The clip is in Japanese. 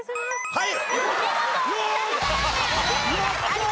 はい。